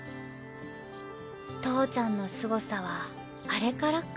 投ちゃんのすごさはあれからか。